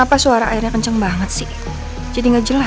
pesan satu ice hazelnut